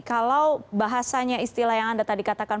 kalau bahasanya istilah yang anda tadi katakan